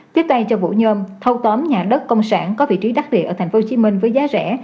tiếp tay cho vũ nhôm thâu tóm nhà đất công sản có vị trí đắc địa ở tp hcm với giá rẻ